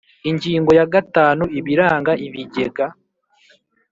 Ingingo ya gatanu Ibiranga ibigega